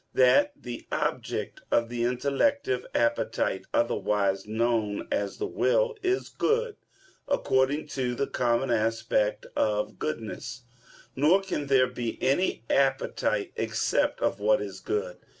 1), that the object of the intellective appetite, otherwise known as the will, is good according to the common aspect of goodness; nor can there be any appetite except of what is good.